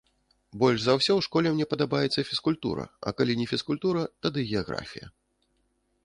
Больш за ўсё ў школе мне падабаецца фізкультура, а калі не фізкультура, тады геаграфія.